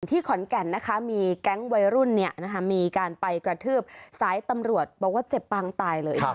ขอนแก่นนะคะมีแก๊งวัยรุ่นมีการไปกระทืบสายตำรวจบอกว่าเจ็บปางตายเลย